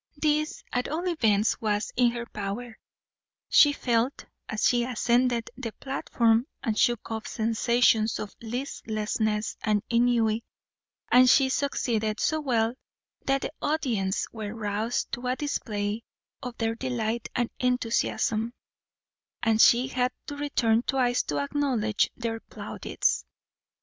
This, at all events, was in her power, she felt, as she ascended the platform and shook off sensations of listlessness and ennui; and she succeeded so well that the audience were roused to a display of their delight and enthusiasm, and she had to return twice to acknowledge their plaudits.